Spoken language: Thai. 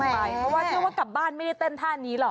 เพราะว่าเชื่อว่ากลับบ้านไม่ได้เต้นท่านี้หรอก